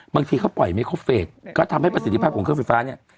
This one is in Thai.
บางทีเขาปล่อยไม่ครบเฟสก็ทำให้ประสิทธิภาพของเครื่องไฟฟ้าเนี่ย